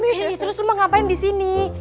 eh terus lu ngapain disini